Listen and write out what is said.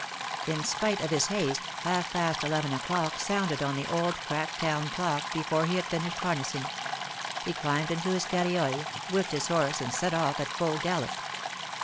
In spite of his haste, half past eleven o'clock sounded on the old, cracked town clock before he had finished har nessing; he climbed into his camofe, whipped liis horse and set off at full gallop.